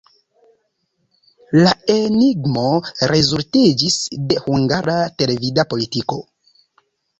La enigmo rezultiĝis de hungara televida politiko.